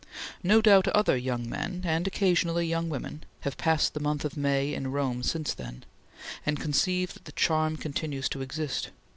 No doubt other young men, and occasionally young women, have passed the month of May in Rome since then, and conceive that the charm continues to exist.